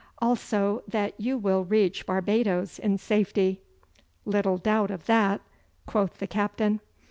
'Also that you will reach Barbadoes in safety.' 'Little doubt of that!' quoth the captain.